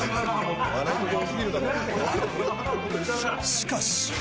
しかし。